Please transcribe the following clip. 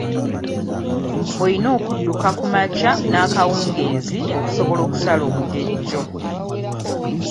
Oyina okudduka kumakya n'ekawungezi okusobola okusala omugejjo.